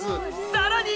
さらに！